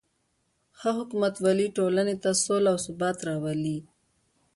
ښه حکومتولي ټولنې ته سوله او ثبات راولي.